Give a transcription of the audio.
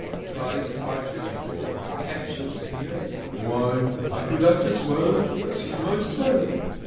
cries Partridge, with a contemptuous sneer, "why, I could act as well as he myself.